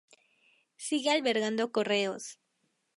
Sigue albergando Correos.